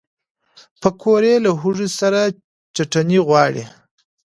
پکورې له هوږې سره چټني غواړي